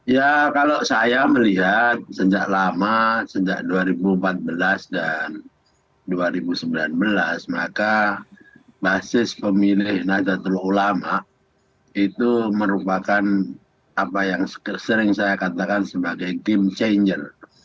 ya kalau saya melihat sejak lama sejak dua ribu empat belas dan dua ribu sembilan belas maka basis pemilih nahdlatul ulama itu merupakan apa yang sering saya katakan sebagai game changer